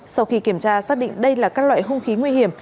sau khi kiểm tra xác định đây là các loại hung khí nguy hiểm